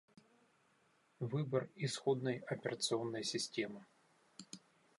Выбор исходной операционной системы